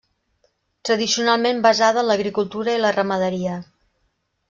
Tradicionalment basada en l'agricultura i la ramaderia.